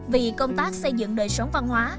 vì công tác xây dựng đời sống văn hóa